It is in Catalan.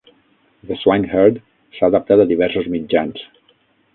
"The Swineherd" s'ha adaptat a diversos mitjans.